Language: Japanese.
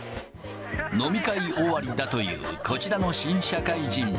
飲み会終わりだというこちらの新社会人。